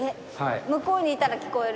向こういたら聞こえる？